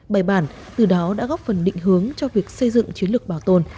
bài bản từ đó đã góp phần định hướng cho việc xây dựng chiến lược bảo tồn